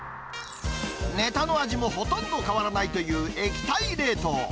ネタの味もほとんど変わらないという液体冷凍。